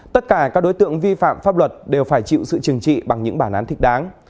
tất cả các đối tượng vi phạm pháp luật đều phải chịu sự chừng trị bằng những bản án thích đáng